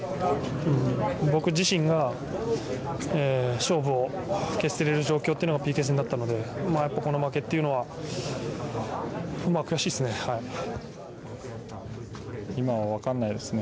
僕自身が勝負を決せらる状況というのがＰＫ戦だったのでこの負けっていうのは今は分かんないですね。